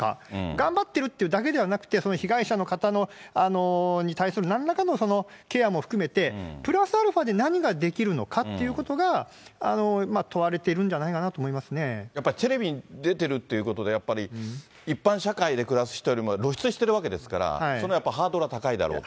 頑張ってるってだけではなくてその被害者の方に対するなんらかのケアも含めて、プラスアルファで何ができるのかっていうことが、問われているんやっぱりテレビに出ているということで、やっぱり、一般社会で暮らす人よりも露出してるわけですから、それはやっぱりハードルは高いだろうという。